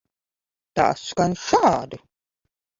Tā skan šādi.